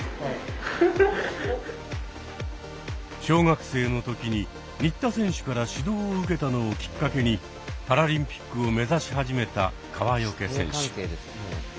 小学生の時に新田選手から指導を受けたのをきっかけにパラリンピックを目指し始めた川除選手。